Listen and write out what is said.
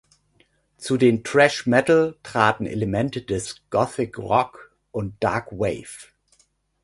Zu dem Thrash Metal traten Elemente des Gothic Rock und Dark Wave.